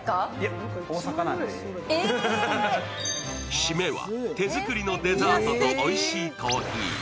締めは手づくりのデザートとおいしいコーヒー。